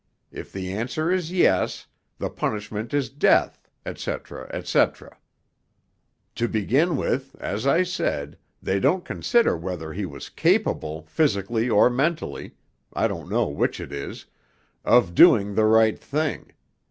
If the answer is Yes the punishment is death, et cetera, et cetera. To begin with, as I said, they don't consider whether he was capable physically or mentally I don't know which it is of doing the right thing.